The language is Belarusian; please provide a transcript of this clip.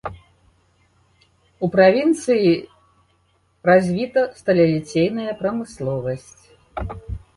У правінцыі развіта сталеліцейная прамысловасць.